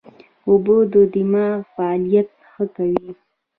اوبه د دماغ فعالیت ښه کوي